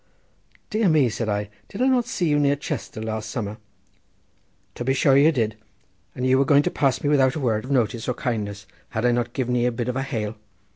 "Dear me!" said I, "did I not see you near Chester last summer?" "To be sure ye did; and ye were going to pass me without a word of notice or kindness had I not given ye a bit of a hail."